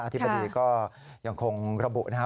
อธิบดีก็ยังคงระบุนะฮะ